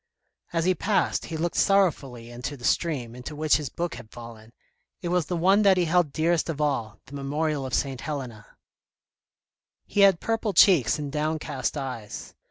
As he passed, he looked sorrowfully into the stream into which his book had fallen, it was the one that he held dearest of all, the Memorial of St. Helena. 2 i8 THE RED AND THE BLACK He had purple cheeks and downcast eyes.